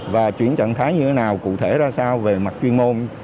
và chuyển trạng thái như thế nào cụ thể ra sao về mặt chuyên môn